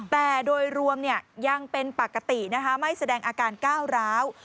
แต่โดยรวมยังเป็นปกตินะคะไม่แสดงอาการก้าวร้าว